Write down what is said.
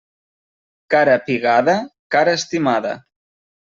Cara pigada, cara estimada.